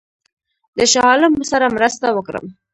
د شاه عالم سره مرسته وکړم.